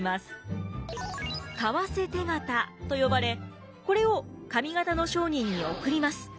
為替手形と呼ばれこれを上方の商人に送ります。